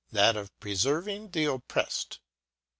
That of preferving the opprelled.